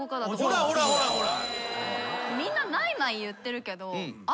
ほらほらほらほら。